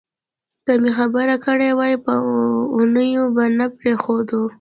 که مې خبر کړي وای په اوونیو به نه پرېښودو.